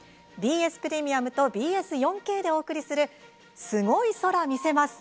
ＢＳプレミアムとＢＳ４Ｋでお送りする「すごい空見せます！